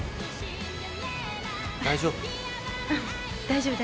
大丈夫？